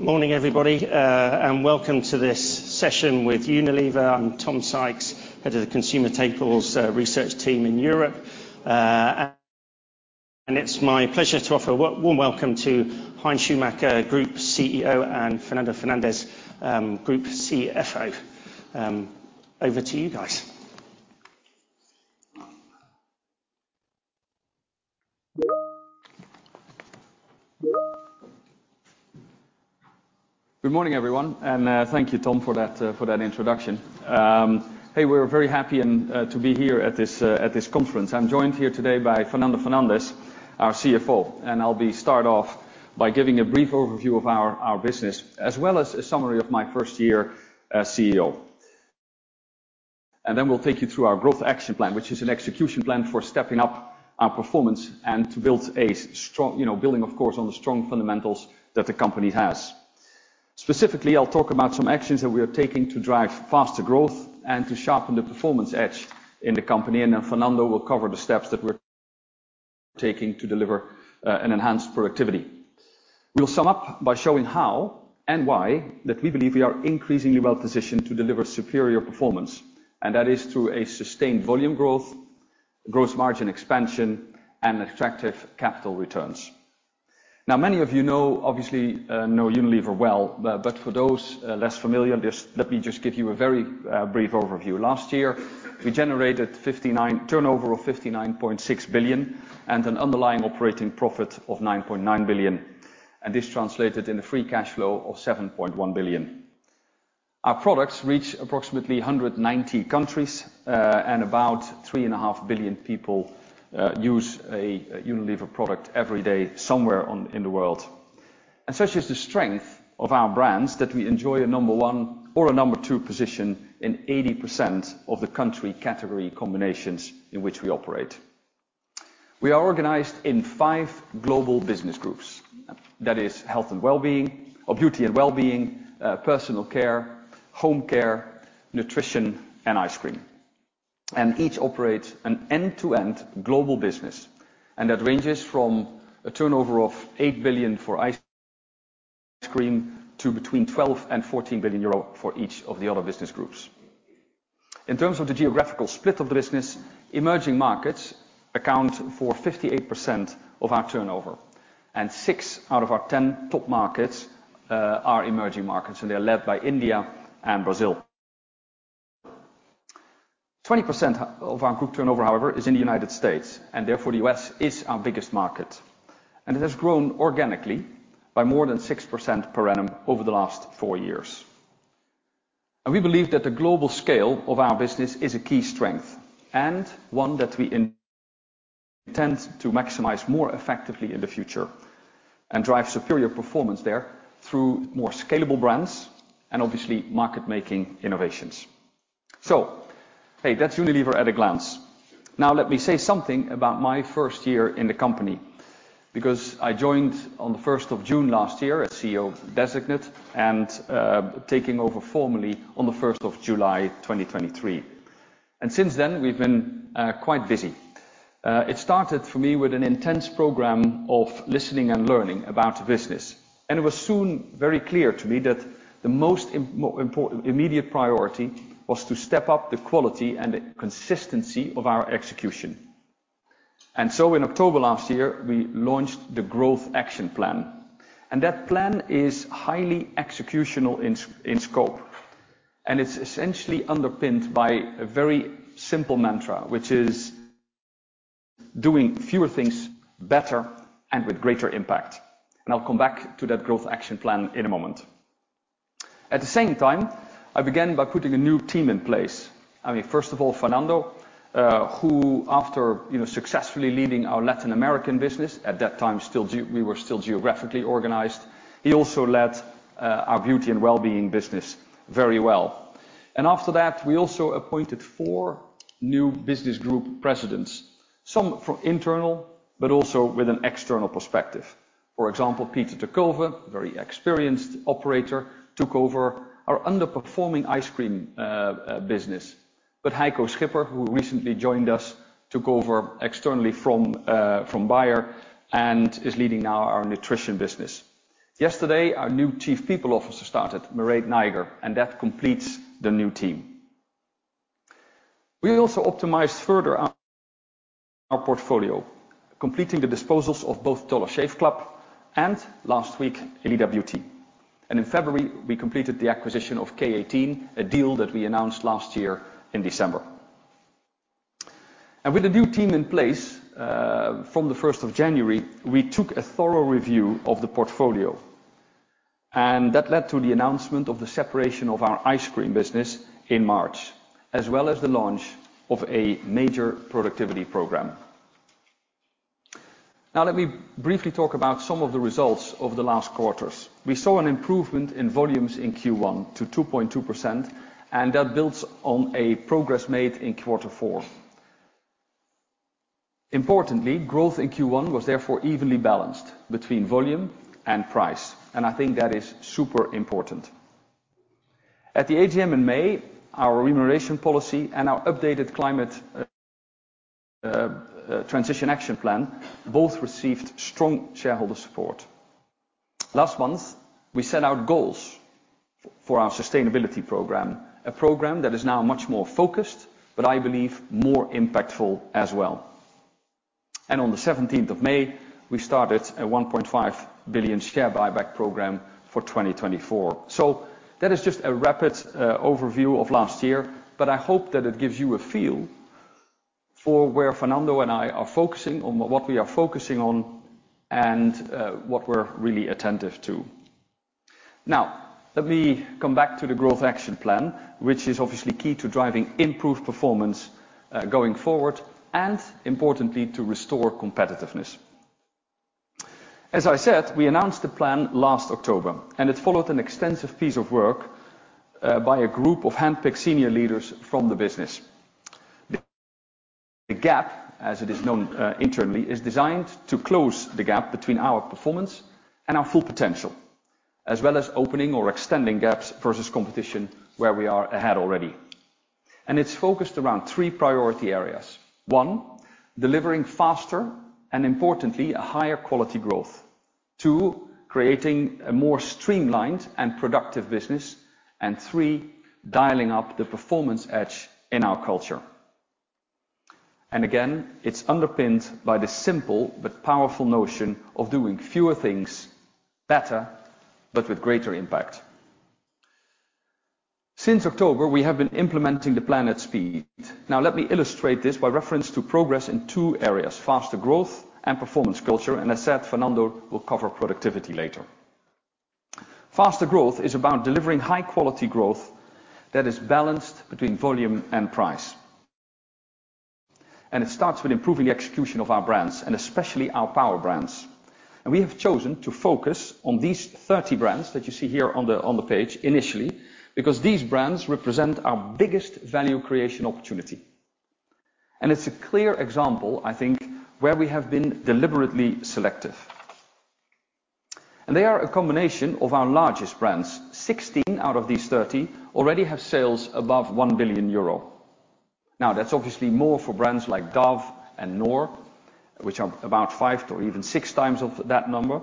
Morning, everybody, and welcome to this session with Unilever. I'm Tom Sykes, head of the Consumer Staples Research team in Europe. It's my pleasure to offer a warm welcome to Hein Schumacher, Group CEO, and Fernando Fernandes, Group CFO. Over to you guys. Good morning, everyone, and thank you, Tom, for that introduction. Hey, we're very happy and to be here at this conference. I'm joined here today by Fernando Fernandes, our CFO, and I'll be start off by giving a brief overview of our business, as well as a summary of my first year as CEO. Then we'll take you through our Growth Action Plan, which is an execution plan for stepping up our performance and to build a strong, you know, of course, on the strong fundamentals that the company has. Specifically, I'll talk about some actions that we are taking to drive faster growth and to sharpen the performance edge in the company, and then Fernando will cover the steps that we're taking to deliver an enhanced productivity. We'll sum up by showing how and why that we believe we are increasingly well positioned to deliver superior performance, and that is through a sustained volume growth, gross margin expansion, and attractive capital returns. Now, many of you know, obviously, know Unilever well, but, but for those, less familiar, just let me just give you a very, brief overview. Last year, we generated turnover of 59.6 billion and an underlying operating profit of 9.9 billion, and this translated in a free cash flow of 7.1 billion. Our products reach approximately 190 countries, and about 3.5 billion people use a Unilever product every day somewhere on, in the world. Such is the strength of our brands, that we enjoy a number one or a number two position in 80% of the country category combinations in which we operate. We are organized in five global business groups. That is health and wellbeing, or Beauty & Wellbeing, Personal Care, Home Care, Nutrition, and Ice Cream. Each operates an end-to-end global business, and that ranges from a turnover of 8 billion for ice cream to between 12 billion-14 billion euro for each of the other business groups. In terms of the geographical split of the business, emerging markets account for 58% of our turnover, and six out of our 10 top markets are emerging markets, and they are led by India and Brazil. 20% of our group turnover, however, is in the United States, and therefore, the U.S. is our biggest market, and it has grown organically by more than 6% per annum over the last four years. We believe that the global scale of our business is a key strength, and one that we intend to maximize more effectively in the future, and drive superior performance there through more scalable brands and obviously market-making innovations. So, hey, that's Unilever at a glance. Now, let me say something about my first year in the company, because I joined on the 1st June last year as CEO designate, and taking over formally on the 1st July, 2023. Since then, we've been quite busy. It started for me with an intense program of listening and learning about the business, and it was soon very clear to me that the most important immediate priority was to step up the quality and the consistency of our execution. So in October last year, we launched the Growth Action Plan, and that plan is highly executional in scope, and it's essentially underpinned by a very simple mantra, which is doing fewer things better and with greater impact. I'll come back to that Growth Action Plan in a moment. At the same time, I began by putting a new team in place. I mean, first of all, Fernando, who after you know successfully leading our Latin American business, at that time still we were still geographically organized, he also led our Beauty & Wellbeing business very well. And after that, we also appointed four new business group presidents, some from internal, but also with an external perspective. For example, Peter ter Kulve, a very experienced operator, took over our underperforming ice cream business. But Heiko Schipper, who recently joined us, took over externally from Bayer and is leading now our nutrition business. Yesterday, our new Chief People Officer started, Mairéad Nayager, and that completes the new team. We also optimized further our portfolio, completing the disposals of both Dollar Shave Club and last week, Elida Beauty. And in February, we completed the acquisition of K18, a deal that we announced last year in December. With the new team in place, from the first of January, we took a thorough review of the portfolio, and that led to the announcement of the separation of our ice cream business in March, as well as the launch of a major productivity program. Now, let me briefly talk about some of the results of the last quarters. We saw an improvement in volumes in Q1 to 2.2%, and that builds on a progress made in quarter four. Importantly, growth in Q1 was therefore evenly balanced between volume and price, and I think that is super important. At the AGM in May, our remuneration policy and our updated climate transition action plan both received strong shareholder support. Last month, we set out goals for our sustainability program, a program that is now much more focused, but I believe more impactful as well. On the 17th May, we started a 1.5 billion share buyback program for 2024. That is just a rapid overview of last year, but I hope that it gives you a feel for where Fernando and I are focusing on, what we are focusing on, and, what we're really attentive to. Now, let me come back to the Growth Action Plan, which is obviously key to driving improved performance, going forward, and importantly, to restore competitiveness. As I said, we announced the plan last October, and it followed an extensive piece of work, by a group of handpicked senior leaders from the business. The GAP, as it is known, internally, is designed to close the gap between our performance and our full potential, as well as opening or extending gaps versus competition where we are ahead already. It's focused around three priority areas. One, delivering faster and importantly, a higher quality growth. Two, creating a more streamlined and productive business, and three, dialing up the performance edge in our culture. Again, it's underpinned by the simple but powerful notion of doing fewer things better, but with greater impact. Since October, we have been implementing the plan at speed. Now, let me illustrate this by reference to progress in two areas, faster growth and performance culture, and as said, Fernando will cover productivity later. Faster growth is about delivering high quality growth that is balanced between volume and price, and it starts with improving the execution of our brands, and especially our power brands. We have chosen to focus on these 30 brands that you see here on the page initially, because these brands represent our biggest value creation opportunity. And it's a clear example, I think, where we have been deliberately selective. And they are a combination of our largest brands. 16 out of these 30 already have sales above 1 billion euro. Now, that's obviously more for brands like Dove and Knorr, which are about five or even 6x of that number,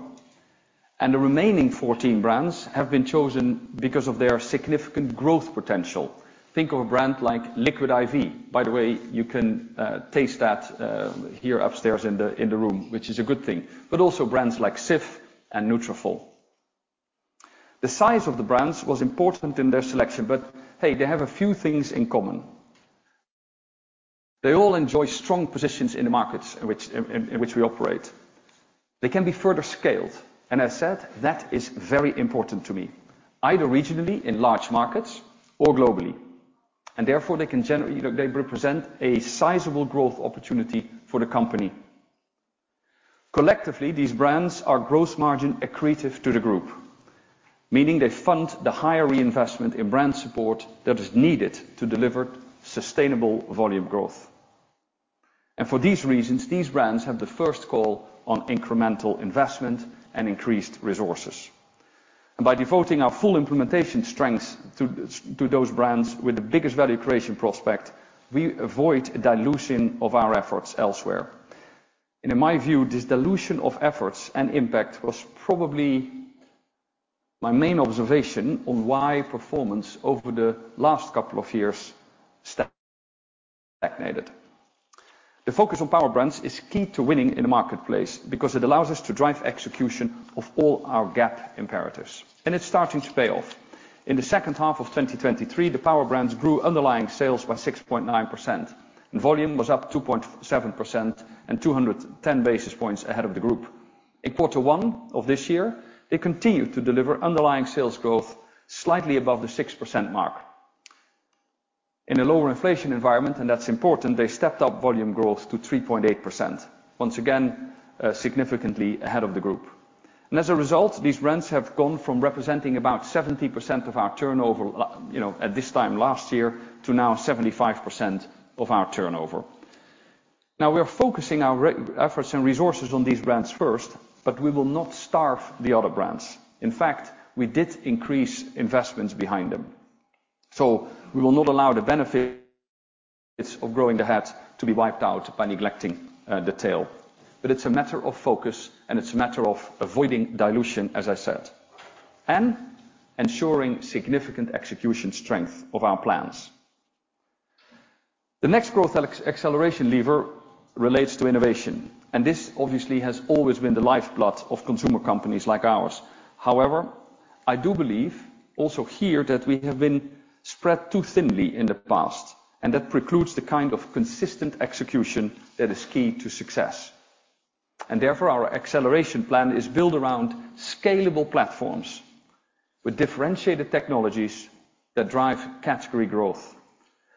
and the remaining 14 brands have been chosen because of their significant growth potential. Think of a brand like Liquid I.V. By the way, you can taste that here upstairs in the room, which is a good thing, but also brands like Cif and Nutrafol. The size of the brands was important in their selection, but hey, they have a few things in common. They all enjoy strong positions in the markets in which we operate. They can be further scaled, and I said that is very important to me, either regionally in large markets or globally. And therefore, they represent a sizable growth opportunity for the company. Collectively, these brands are gross margin accretive to the group, meaning they fund the higher reinvestment in brand support that is needed to deliver sustainable volume growth. And for these reasons, these brands have the first call on incremental investment and increased resources. And by devoting our full implementation strengths to those brands with the biggest value creation prospect, we avoid dilution of our efforts elsewhere. And in my view, this dilution of efforts and impact was probably my main observation on why performance over the last couple of years stagnated. The focus on power brands is key to winning in the marketplace because it allows us to drive execution of all our GAP imperatives, and it's starting to pay off. In the second half of 2023, the power brands grew underlying sales by 6.9%, and volume was up 2.7% and 210 basis points ahead of the group. In quarter one of this year, they continued to deliver underlying sales growth slightly above the 6% mark. In a lower inflation environment, and that's important, they stepped up volume growth to 3.8%, once again, significantly ahead of the group. And as a result, these brands have gone from representing about 70% of our turnover, you know, at this time last year, to now 75% of our turnover. Now, we are focusing our efforts and resources on these brands first, but we will not starve the other brands. In fact, we did increase investments behind them. So we will not allow the benefits of growing the head to be wiped out by neglecting the tail. But it's a matter of focus, and it's a matter of avoiding dilution, as I said, and ensuring significant execution strength of our plans. The next growth acceleration lever relates to innovation, and this obviously has always been the lifeblood of consumer companies like ours. However, I do believe also here, that we have been spread too thinly in the past, and that precludes the kind of consistent execution that is key to success. And therefore, our acceleration plan is built around scalable platforms with differentiated technologies that drive category growth,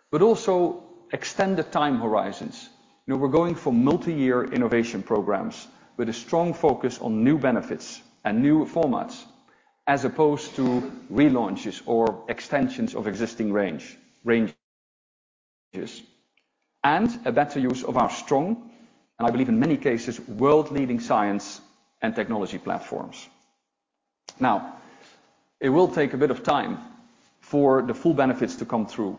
but also extend the time horizons. Now we're going for multi-year innovation programs with a strong focus on new benefits and new formats, as opposed to relaunches or extensions of existing ranges, and a better use of our strong, and I believe in many cases, world-leading science and technology platforms. Now, it will take a bit of time for the full benefits to come through,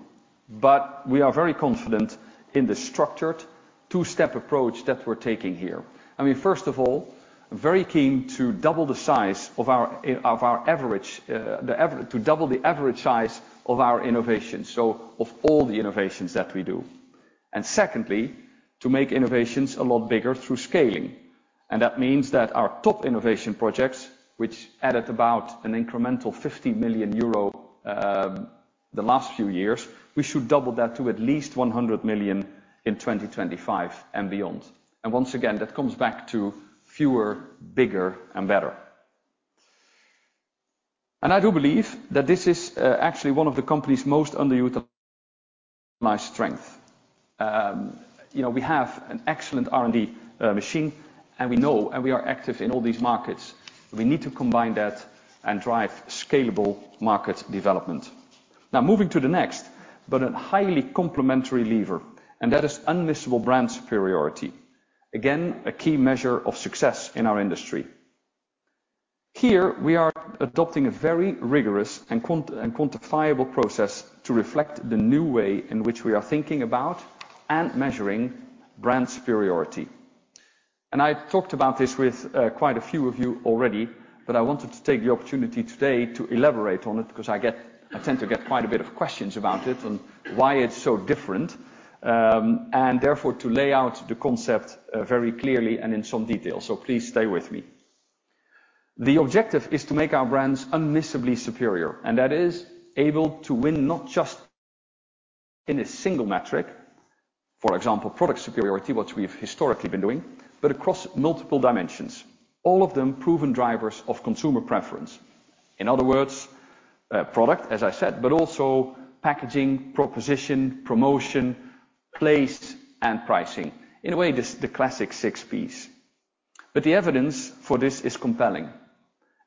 but we are very confident in the structured two-step approach that we're taking here. I mean, first of all, very keen to double the size of our, of our average, to double the average size of our innovation, so of all the innovations that we do. And secondly, to make innovations a lot bigger through scaling. That means that our top innovation projects, which added about an incremental 50 million euro the last few years, we should double that to at least 100 million in 2025 and beyond. Once again, that comes back to fewer, bigger, and better. I do believe that this is actually one of the company's most underutilized strength. You know, we have an excellent R&D machine, and we know and we are active in all these markets. We need to combine that and drive scalable market development. Now, moving to the next, but a highly complementary lever, and that is Unmissable Brand Superiority. Again, a key measure of success in our industry. Here, we are adopting a very rigorous and quantifiable process to reflect the new way in which we are thinking about and measuring brand superiority. I talked about this with quite a few of you already, but I wanted to take the opportunity today to elaborate on it, 'cause I tend to get quite a bit of questions about it and why it's so different. Therefore, to lay out the concept very clearly and in some detail, so please stay with me. The objective is to make our brands unmissably superior, and that is able to win not just in a single metric, for example, product superiority, which we've historically been doing, but across multiple dimensions, all of them proven drivers of consumer preference. In other words, product, as I said, but also packaging, proposition, promotion, place, and pricing. In a way, this the classic six Ps. But the evidence for this is compelling,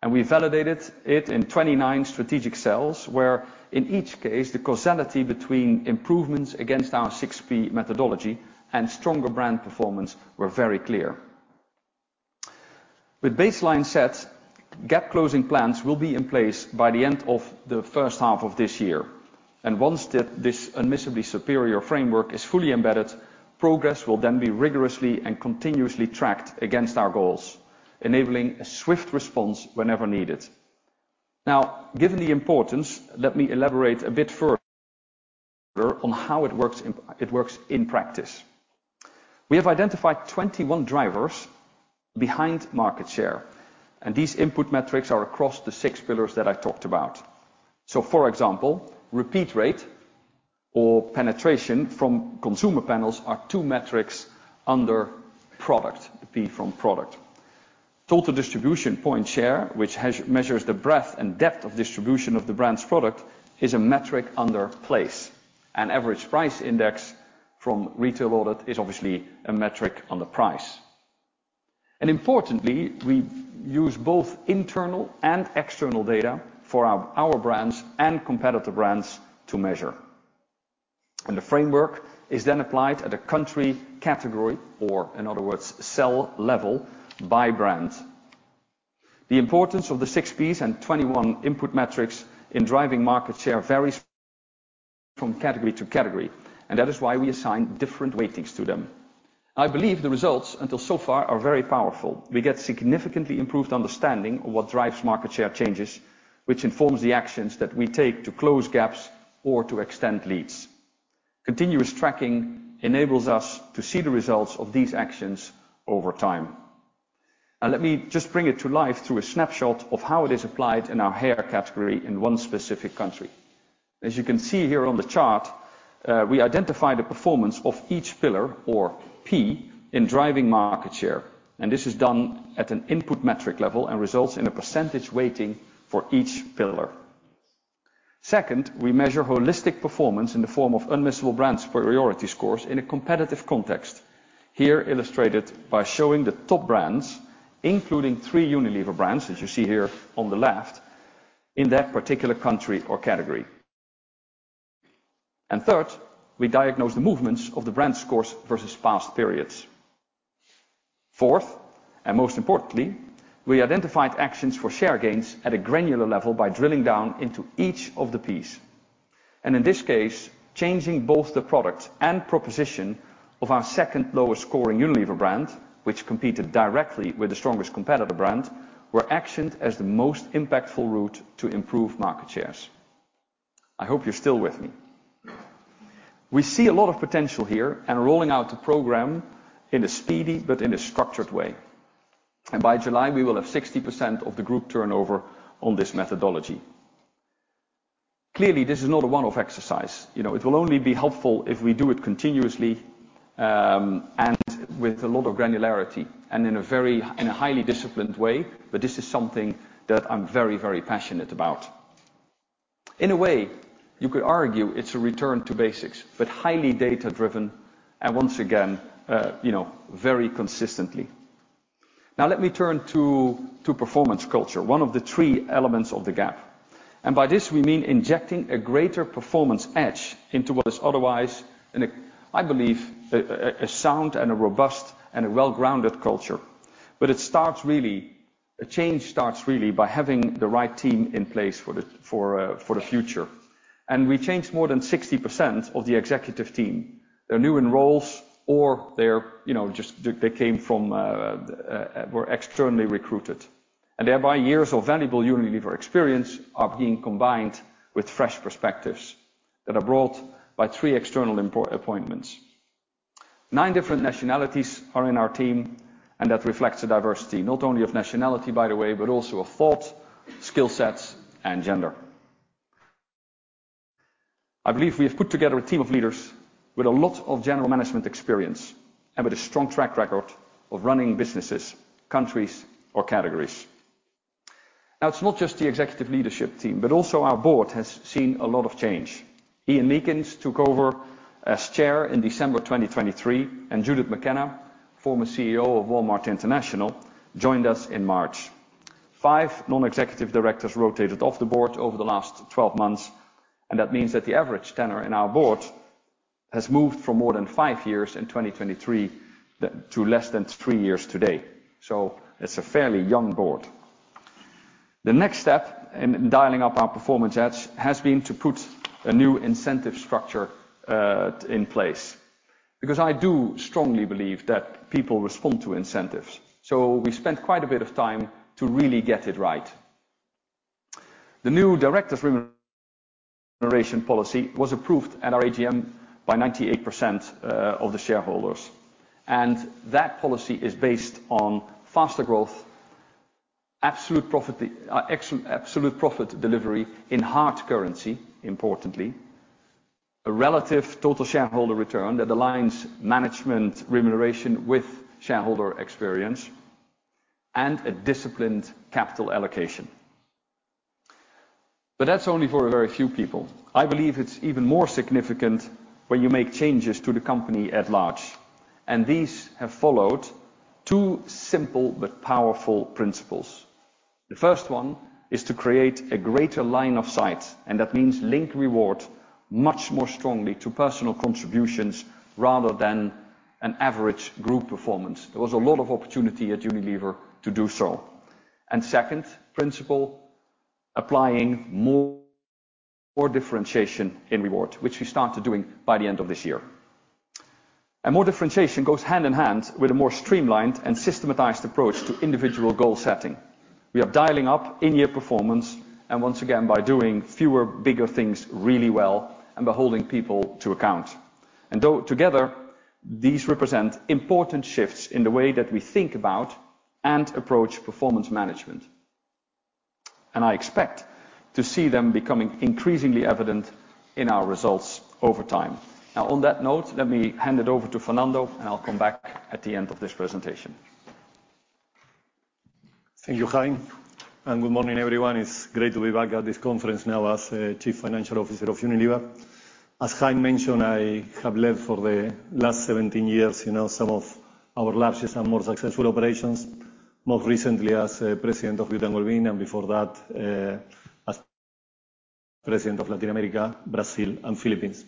and we validated it in 29 strategic cells, where in each case, the causality between improvements against our 6 P methodology and stronger brand performance were very clear. With baseline sets, GAP closing plans will be in place by the end of the first half of this year. And once that this unmissable superior framework is fully embedded, progress will then be rigorously and continuously tracked against our goals, enabling a swift response whenever needed. Now, given the importance, let me elaborate a bit further on how it works in, it works in practice. We have identified 21 drivers behind market share, and these input metrics are across the six pillars that I talked about. So for example, repeat rate or penetration from consumer panels are two metrics under product, the P from product. Total Distribution Points share, which measures the breadth and depth of distribution of the brand's product, is a metric under place, and average price index from retail audit is obviously a metric on the price. Importantly, we use both internal and external data for our brands and competitor brands to measure. The framework is then applied at a country category, or in other words, cell level by brand. The importance of the 6 Ps and 21 input metrics in driving market share varies from category to category, and that is why we assign different weightings to them. I believe the results, until so far, are very powerful. We get significantly improved understanding of what drives market share changes, which informs the actions that we take to close gaps or to extend leads. Continuous tracking enables us to see the results of these actions over time. And let me just bring it to life through a snapshot of how it is applied in our hair category in one specific country. As you can see here on the chart, we identify the performance of each pillar or P in driving market share, and this is done at an input metric level and results in a percentage weighting for each pillar. Second, we measure holistic performance in the form of Unmissable Brand Superiority scores in a competitive context. Here, illustrated by showing the top brands, including three Unilever brands, as you see here on the left, in that particular country or category. And third, we diagnose the movements of the brand scores versus past periods. Fourth, and most importantly, we identified actions for share gains at a granular level by drilling down into each of the P's. In this case, changing both the product and proposition of our second lowest scoring Unilever brand, which competed directly with the strongest competitor brand, were actioned as the most impactful route to improve market shares. I hope you're still with me. We see a lot of potential here and rolling out the program in a speedy but in a structured way. By July, we will have 60% of the group turnover on this methodology. Clearly, this is not a one-off exercise. You know, it will only be helpful if we do it continuously, and with a lot of granularity, and in a highly disciplined way, but this is something that I'm very, very passionate about. In a way, you could argue it's a return to basics, but highly data-driven, and once again, you know, very consistently... Now let me turn to performance culture, one of the three elements of the GAP. And by this, we mean injecting a greater performance edge into what is otherwise, I believe, a sound and a robust and a well-grounded culture. But it starts really, change starts really by having the right team in place for the future. And we changed more than 60% of the executive team. They're new in roles or they're, you know, just they, they came from, were externally recruited. And thereby, years of valuable Unilever experience are being combined with fresh perspectives that are brought by three external important appointments. Nine different nationalities are in our team, and that reflects a diversity, not only of nationality, by the way, but also of thought, skill sets, and gender. I believe we have put together a team of leaders with a lot of general management experience and with a strong track record of running businesses, countries, or categories. Now, it's not just the executive leadership team, but also our board has seen a lot of change. Ian Meakins took over as chair in December 2023, and Judith McKenna, former CEO of Walmart International, joined us in March. Five non-executive directors rotated off the board over the last 12 months, and that means that the average tenure in our board has moved from more than five years in 2023 to less than three years today. So it's a fairly young board. The next step in dialing up our performance edge has been to put a new incentive structure in place, because I do strongly believe that people respond to incentives, so we spent quite a bit of time to really get it right. The new directors' remuneration policy was approved at our AGM by 98% of the shareholders, and that policy is based on faster growth, absolute profit, the absolute profit delivery in hard currency, importantly, a relative total shareholder return that aligns management remuneration with shareholder experience, and a disciplined capital allocation. But that's only for a very few people. I believe it's even more significant when you make changes to the company at large, and these have followed two simple but powerful principles. The first one is to create a greater line of sight, and that means link reward much more strongly to personal contributions rather than an average group performance. There was a lot of opportunity at Unilever to do so. And second principle, applying more differentiation in reward, which we started doing by the end of this year. And more differentiation goes hand in hand with a more streamlined and systematized approach to individual goal setting. We are dialing up in-year performance, and once again, by doing fewer, bigger things really well, and by holding people to account. And though together, these represent important shifts in the way that we think about and approach performance management, and I expect to see them becoming increasingly evident in our results over time. Now, on that note, let me hand it over to Fernando, and I'll come back at the end of this presentation. Thank you, Hein, and good morning, everyone. It's great to be back at this conference now as, Chief Financial Officer of Unilever. As Hein mentioned, I have led for the last 17 years, you know, some of our largest and more successful operations, most recently as, President of United Kingdom, and before that, as President of Latin America, Brazil, and Philippines.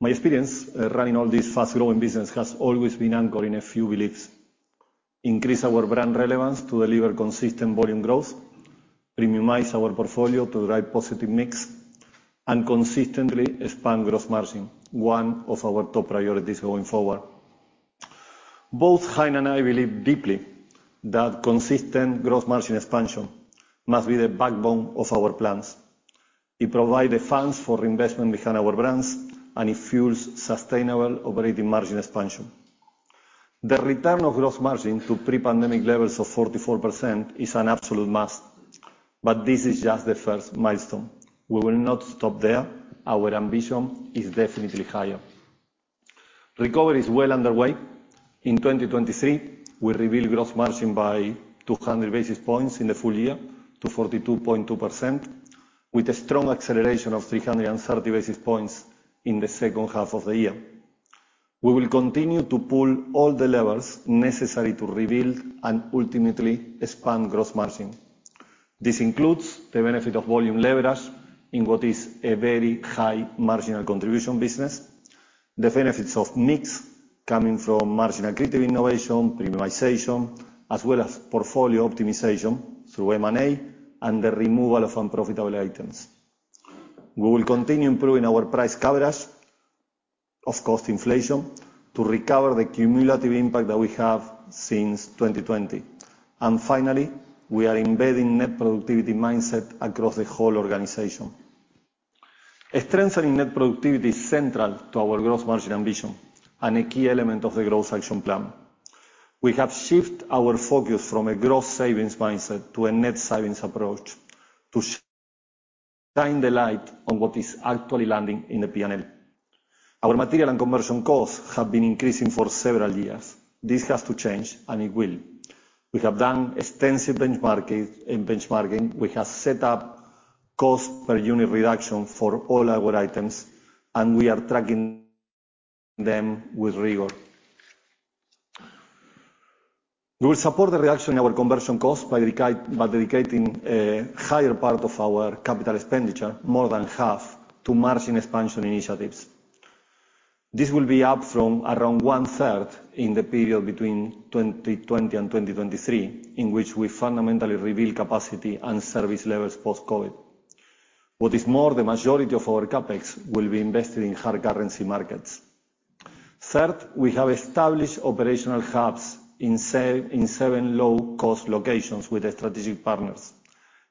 My experience, running all these fast-growing business has always been anchored in a few beliefs: increase our brand relevance to deliver consistent volume growth, premiumize our portfolio to drive positive mix, and consistently expand growth margin, one of our top priorities going forward. Both Hein and I believe deeply that consistent growth margin expansion must be the backbone of our plans. It provide the funds for investment behind our brands, and it fuels sustainable operating margin expansion. The return of gross margin to pre-pandemic levels of 44% is an absolute must, but this is just the first milestone. We will not stop there. Our ambition is definitely higher. Recovery is well underway. In 2023, we revealed gross margin by 200 basis points in the full year to 42.2%, with a strong acceleration of 330 basis points in the second half of the year. We will continue to pull all the levers necessary to rebuild and ultimately expand gross margin. This includes the benefit of volume leverage in what is a very high marginal contribution business, the benefits of mix coming from marginal creative innovation, premiumization, as well as portfolio optimization through M&A, and the removal of unprofitable items. We will continue improving our price coverage of cost inflation to recover the cumulative impact that we have since 2020. And finally, we are embedding net productivity mindset across the whole organization. Strengthening net productivity is central to our growth margin ambition and a key element of the Growth Action Plan. We have shifted our focus from a growth savings mindset to a net savings approach to shine the light on what is actually landing in the P&L. Our material and conversion costs have been increasing for several years. This has to change, and it will. We have done extensive benchmarking. We have set up cost per unit reduction for all our items, and we are tracking them with rigor. We will support the reduction in our conversion costs by dedicating a higher part of our capital expenditure, more than half, to margin expansion initiatives. This will be up from around 1/3 in the period between 2020 and 2023, in which we fundamentally rebuild capacity and service levels post-COVID. What is more, the majority of our CapEx will be invested in hard currency markets. Third, we have established operational hubs in seven low-cost locations with the strategic partners.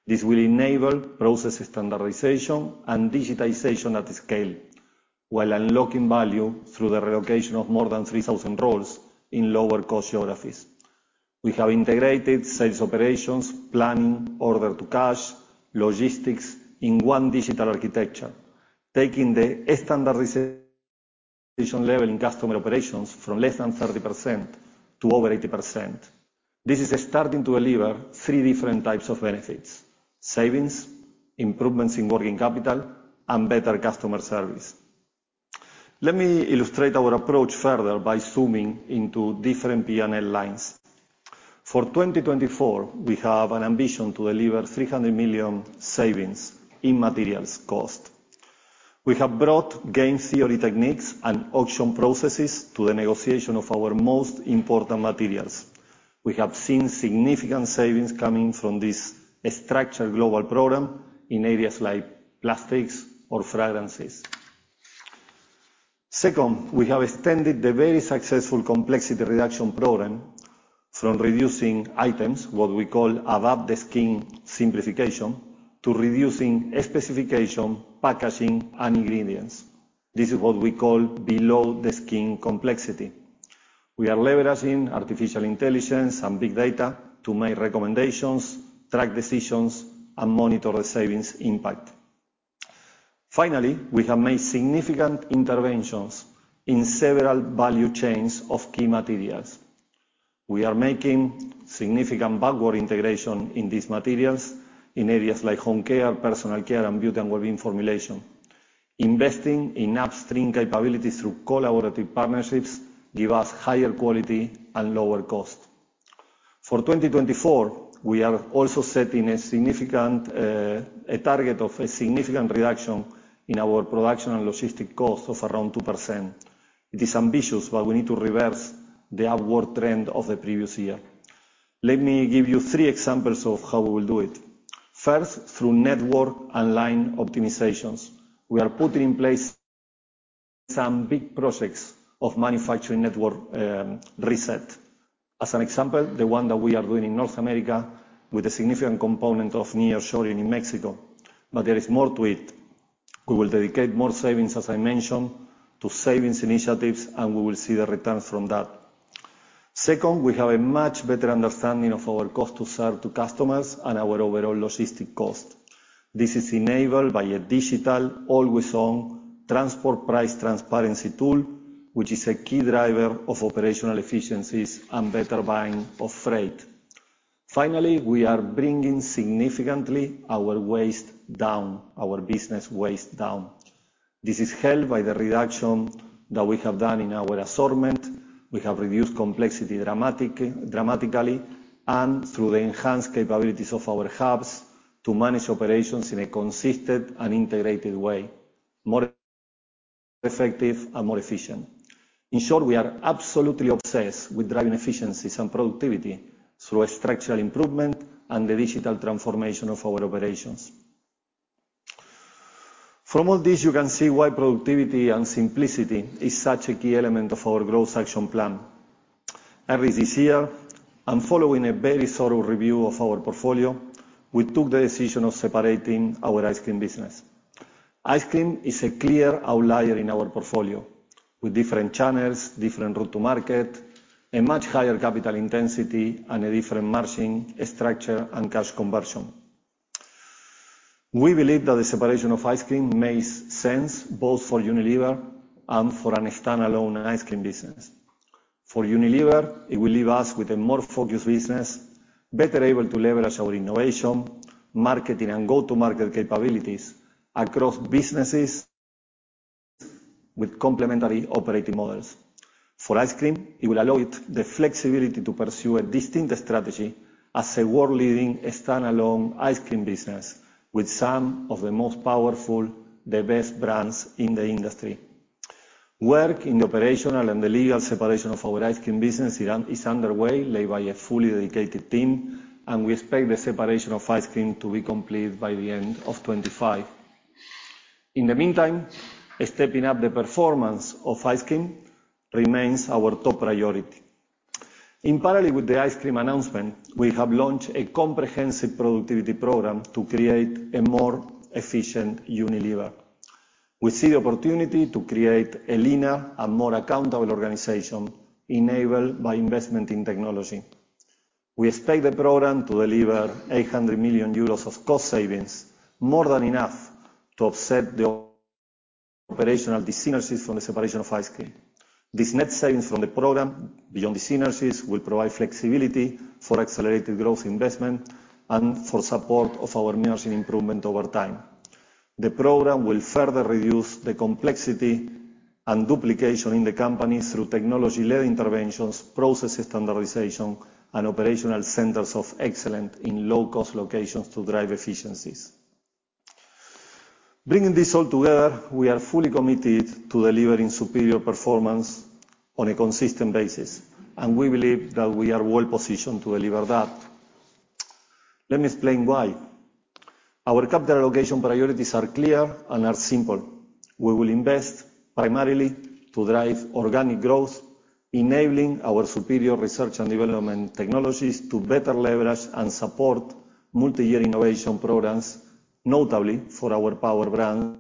This will enable process standardization and digitization at scale, while unlocking value through the relocation of more than 3,000 roles in lower cost geographies. We have integrated sales operations, planning, order to cash, logistics in one digital architecture, taking the standardization level in customer operations from less than 30% to over 80%. This is starting to deliver three different types of benefits: savings, improvements in working capital, and better customer service. Let me illustrate our approach further by zooming into different P&L lines. For 2024, we have an ambition to deliver 300 million savings in materials cost. We have brought game theory techniques and auction processes to the negotiation of our most important materials. We have seen significant savings coming from this structured global program in areas like plastics or fragrances. Second, we have extended the very successful complexity reduction program from reducing items, what we call above-the-skin simplification, to reducing specification, packaging, and ingredients. This is what we call below-the-skin complexity. We are leveraging artificial intelligence and big data to make recommendations, track decisions, and monitor the savings impact. Finally, we have made significant interventions in several value chains of key materials. We are making significant backward integration in these materials in areas like home care, personal care, and beauty and well-being formulation. Investing in upstream capabilities through collaborative partnerships give us higher quality and lower cost. For 2024, we are also setting a significant, a target of a significant reduction in our production and logistic cost of around 2%. It is ambitious, but we need to reverse the upward trend of the previous year. Let me give you three examples of how we will do it. First, through network and line optimizations. We are putting in place some big projects of manufacturing network reset. As an example, the one that we are doing in North America with a significant component of nearshoring in Mexico, but there is more to it. We will dedicate more savings, as I mentioned, to savings initiatives, and we will see the returns from that. Second, we have a much better understanding of our cost to serve to customers and our overall logistic cost. This is enabled by a digital, always-on transport price transparency tool, which is a key driver of operational efficiencies and better buying of freight. Finally, we are bringing significantly our waste down, our business waste down. This is helped by the reduction that we have done in our assortment. We have reduced complexity dramatically, and through the enhanced capabilities of our hubs to manage operations in a consistent and integrated way, more effective and more efficient. In short, we are absolutely obsessed with driving efficiencies and productivity through a structural improvement and the digital transformation of our operations. From all this, you can see why productivity and simplicity is such a key element of our Growth Action Plan. Early this year, and following a very thorough review of our portfolio, we took the decision of separating our ice cream business. Ice cream is a clear outlier in our portfolio, with different channels, different route to market, a much higher capital intensity, and a different margin, structure, and cash conversion. We believe that the separation of ice cream makes sense both for Unilever and for a standalone ice cream business. For Unilever, it will leave us with a more focused business, better able to leverage our innovation, marketing, and go-to-market capabilities across businesses with complementary operating models. For ice cream, it will allow it the flexibility to pursue a distinct strategy as a world-leading, standalone ice cream business with some of the most powerful, the best brands in the industry. Work in the operational and the legal separation of our ice cream business is underway, led by a fully dedicated team, and we expect the separation of ice cream to be complete by the end of 2025. In the meantime, stepping up the performance of ice cream remains our top priority. In parallel with the ice cream announcement, we have launched a comprehensive productivity program to create a more efficient Unilever. We see the opportunity to create a leaner and more accountable organization, enabled by investment in technology. We expect the program to deliver 800 million euros of cost savings, more than enough to offset the operational dyssynergies from the separation of ice cream. This net savings from the program, beyond the synergies, will provide flexibility for accelerated growth investment and for support of our margin improvement over time... The program will further reduce the complexity and duplication in the company through technology-led interventions, process standardization, and operational centers of excellence in low-cost locations to drive efficiencies. Bringing this all together, we are fully committed to delivering superior performance on a consistent basis, and we believe that we are well positioned to deliver that. Let me explain why. Our capital allocation priorities are clear and are simple. We will invest primarily to drive organic growth, enabling our superior research and development technologies to better leverage and support multi-year innovation programs, notably for our power brand,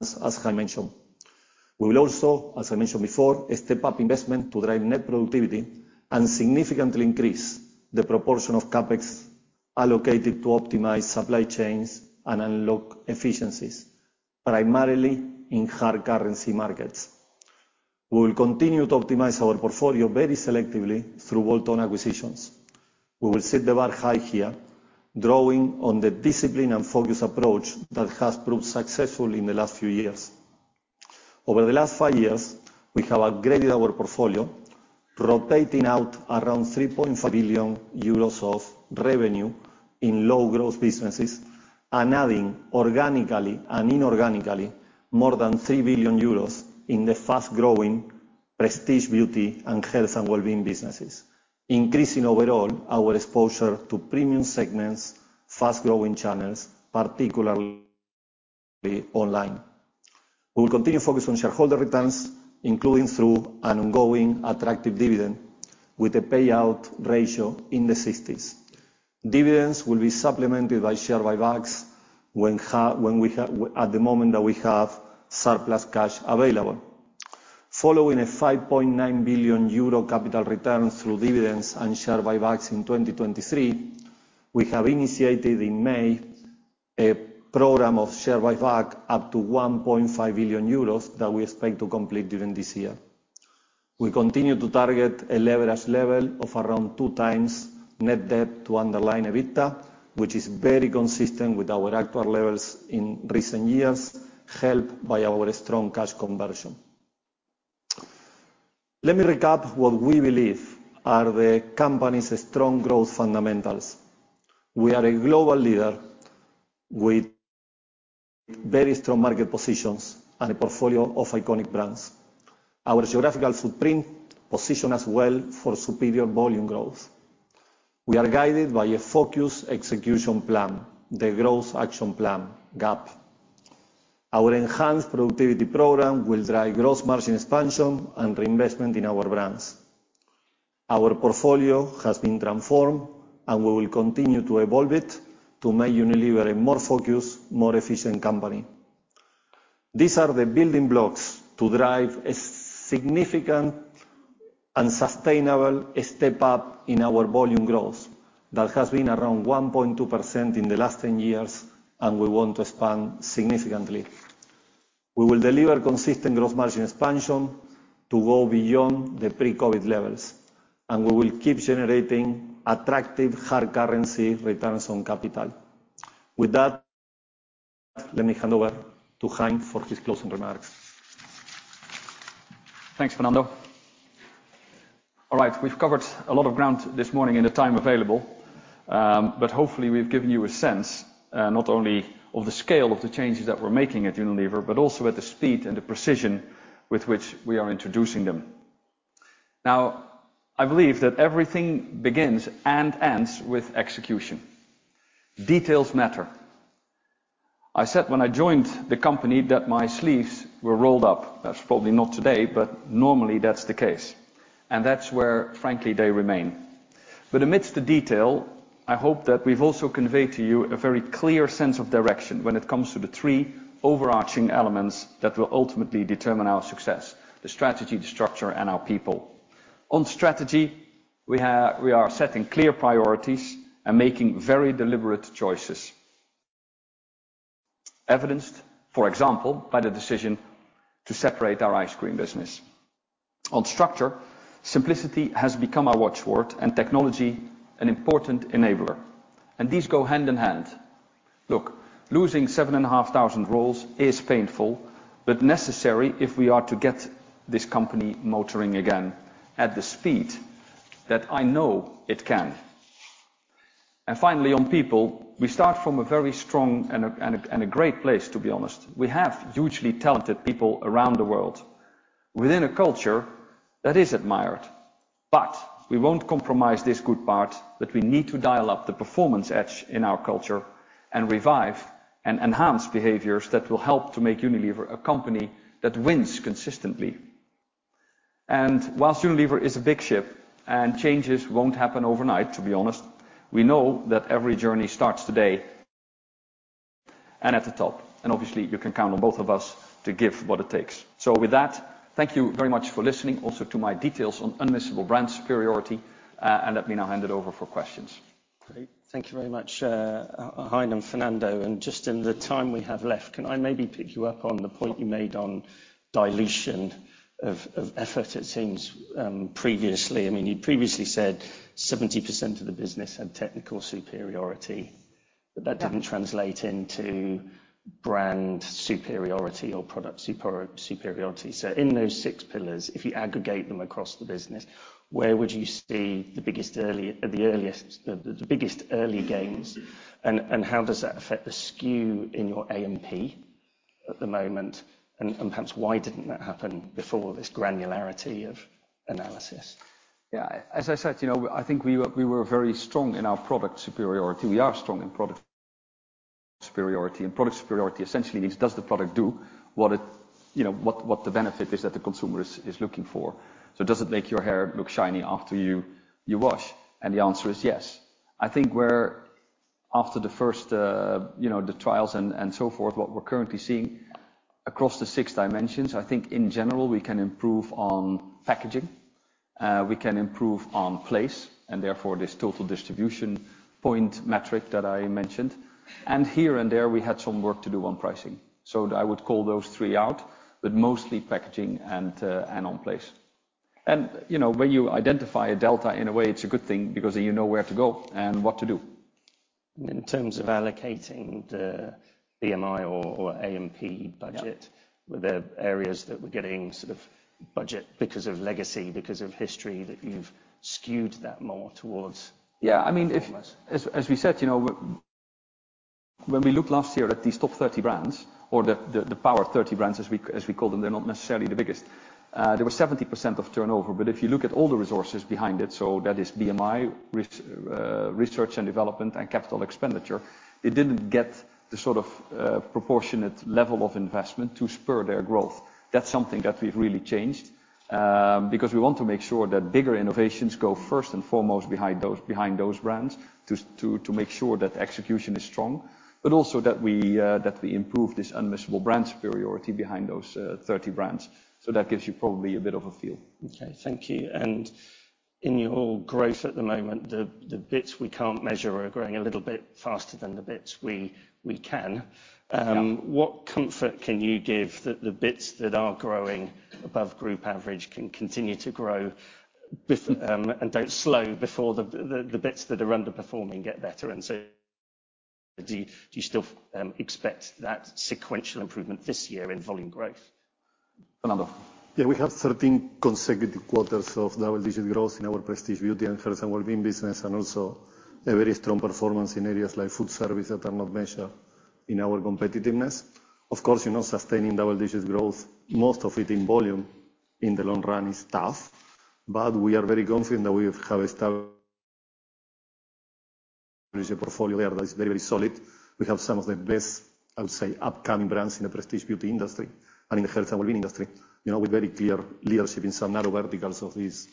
as I mentioned. We will also, as I mentioned before, step up investment to drive net productivity and significantly increase the proportion of CapEx allocated to optimize supply chains and unlock efficiencies, primarily in hard currency markets. We will continue to optimize our portfolio very selectively through bolt-on acquisitions. We will set the bar high here, drawing on the discipline and focus approach that has proved successful in the last few years. Over the last five years, we have upgraded our portfolio, rotating out around 3.5 billion euros of revenue in low growth businesses, and adding organically and inorganically, more than 3 billion euros in the fast-growing prestige, Beauty, and Health & Wellbeing businesses, increasing overall our exposure to premium segments, fast-growing channels, particularly online. We will continue to focus on shareholder returns, including through an ongoing attractive dividend with a payout ratio in the sixties. Dividends will be supplemented by share buybacks when we have, at the moment that we have surplus cash available. Following a 5.9 billion euro capital return through dividends and share buybacks in 2023, we have initiated in May, a program of share buyback up to 1.5 billion euros that we expect to complete during this year. We continue to target a leverage level of around 2x net debt to underlying EBITDA, which is very consistent with our actual levels in recent years, helped by our strong cash conversion. Let me recap what we believe are the company's strong growth fundamentals. We are a global leader with very strong market positions and a portfolio of iconic brands. Our geographical footprint position as well for superior volume growth. We are guided by a focused execution plan, the Growth Action Plan, GAP. Our enhanced productivity program will drive gross margin expansion and reinvestment in our brands. Our portfolio has been transformed, and we will continue to evolve it to make Unilever a more focused, more efficient company. These are the building blocks to drive a significant and sustainable step up in our volume growth that has been around 1.2% in the last 10 years, and we want to expand significantly. We will deliver consistent growth margin expansion to go beyond the pre-COVID levels, and we will keep generating attractive hard currency returns on capital. With that, let me hand over to Hein for his closing remarks. Thanks, Fernando. All right, we've covered a lot of ground this morning in the time available, but hopefully, we've given you a sense, not only of the scale of the changes that we're making at Unilever, but also at the speed and the precision with which we are introducing them. Now, I believe that everything begins and ends with execution. Details matter. I said when I joined the company that my sleeves were rolled up. That's probably not today, but normally that's the case, and that's where, frankly, they remain. But amidst the detail, I hope that we've also conveyed to you a very clear sense of direction when it comes to the three overarching elements that will ultimately determine our success: the strategy, the structure, and our people. On strategy, we are setting clear priorities and making very deliberate choices. Evidenced, for example, by the decision to separate our ice cream business. On structure, simplicity has become our watchword, and technology an important enabler, and these go hand in hand. Look, losing 7,500 roles is painful, but necessary if we are to get this company motoring again at the speed that I know it can. And finally, on people, we start from a very strong and a great place, to be honest. We have hugely talented people around the world within a culture that is admired, but we won't compromise this good part, but we need to dial up the performance edge in our culture and revive and enhance behaviors that will help to make Unilever a company that wins consistently. While Unilever is a big ship, and changes won't happen overnight, to be honest, we know that every journey starts today and at the top, and obviously, you can count on both of us to give what it takes. So with that, thank you very much for listening, also to my details on Unmissable Brand Superiority, and let me now hand it over for questions. Great. Thank you very much, Hein and Fernando, and just in the time we have left, can I maybe pick you up on the point you made on dilution of effort? It seems previously... I mean, you previously said 70% of the business had technical superiority... but that didn't translate into brand superiority or product superiority. So in those six pillars, if you aggregate them across the business, where would you see the biggest early gains? And how does that affect the SKU in your AMP at the moment? And perhaps why didn't that happen before this granularity of analysis? Yeah, as I said, you know, I think we were very strong in our product superiority. We are strong in product superiority. And product superiority essentially means, does the product do what it, you know, what the benefit is that the consumer is looking for? So does it make your hair look shiny after you wash? And the answer is yes. I think where after the first, you know, the trials and so forth, what we're currently seeing across the six dimensions, I think in general, we can improve on packaging. We can improve on place, and therefore, this total distribution points metric that I mentioned. And here and there, we had some work to do on pricing. So I would call those three out, but mostly packaging and on place. You know, when you identify a delta, in a way, it's a good thing, because then you know where to go and what to do. In terms of allocating the BMI or A&P budget- Yeah... were there areas that were getting sort of budget because of legacy, because of history, that you've skewed that more towards? Yeah, I mean, if, as we said, you know, when we looked last year at these top 30 brands or the power 30 brands, as we call them, they're not necessarily the biggest. There were 70% of turnover. But if you look at all the resources behind it, so that is BMI, research and development, and capital expenditure, it didn't get the sort of proportionate level of investment to spur their growth. That's something that we've really changed, because we want to make sure that bigger innovations go first and foremost behind those, behind those brands, to make sure that execution is strong, but also that we, that we improve this Unmissable Brand Superiority behind those 30 brands. So that gives you probably a bit of a feel. Okay, thank you. And in your growth at the moment, the bits we can't measure are growing a little bit faster than the bits we can. Yeah. What comfort can you give that the bits that are growing above group average can continue to grow, and don't slow before the bits that are underperforming get better? And so do you still expect that sequential improvement this year in volume growth? Fernando? Yeah, we have 13 consecutive quarters of double-digit growth in our prestige, beauty, and health and wellbeing business, and also a very strong performance in areas like food service that are not measured in our competitiveness. Of course, you know, sustaining double-digit growth, most of it in volume in the long run is tough, but we are very confident that we have established a portfolio there that is very, very solid. We have some of the best, I would say, upcoming brands in the prestige beauty industry and in the health and wellbeing industry. You know, with very clear leadership in some narrow verticals of these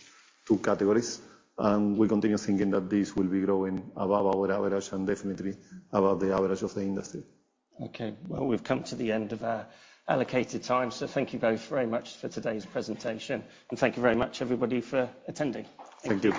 two categories, and we continue thinking that this will be growing above our average and definitely above the average of the industry. Okay, well, we've come to the end of our allocated time, so thank you both very much for today's presentation, and thank you very much, everybody, for attending. Thank you.